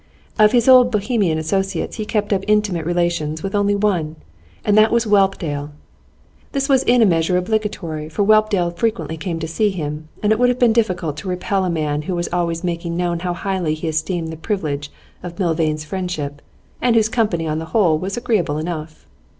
Of his old Bohemian associates he kept up intimate relations with one only, and that was Whelpdale. This was in a measure obligatory, for Whelpdale frequently came to see him, and it would have been difficult to repel a man who was always making known how highly he esteemed the privilege of Milvain's friendship, and whose company on the whole was agreeable enough.